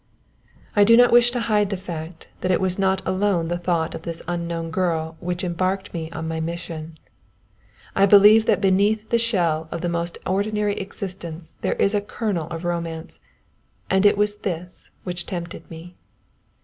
I do not wish to hide the fact that it was not alone the thought of this unknown girl which embarked me on my mission. I believe that beneath the shell of the most ordinary existence there is a kernel of romance, and it was this which tempted me.